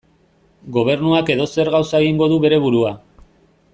Gobernuak edozer gauza egingo du bere burua.